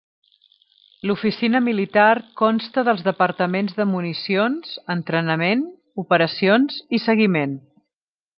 L'oficina militar consta dels departaments de municions, entrenament, operacions i seguiment.